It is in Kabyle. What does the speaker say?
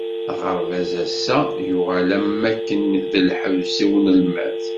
Aɣerbaz ass-a yuɣal am wakken d lḥebs i unelmad.